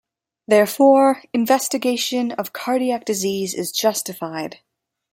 Therefore, investigation of cardiac disease is justified.